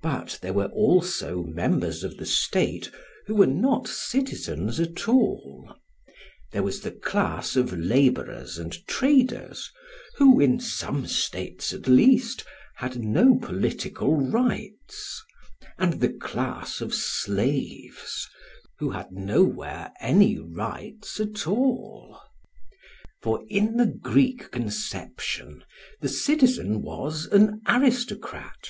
But there were also members of the state who were not citizens at all; there was the class of labourers and traders, who, in some states at least, had no political rights; and the class of slaves who had nowhere any rights at all. For in the Greek conception the citizen was an aristocrat.